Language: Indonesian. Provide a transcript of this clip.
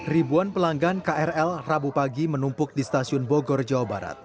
ribuan pelanggan krl rabu pagi menumpuk di stasiun bogor jawa barat